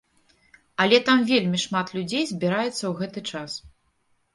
Але там вельмі шмат людзей збіраецца ў гэты час.